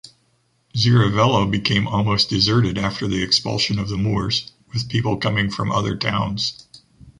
Xirivella became almost deserted after the expulsion of the Moors, with people coming from other towns.